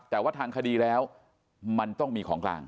แต่ว่าทางคดีแล้วมันต้องมีของกลาง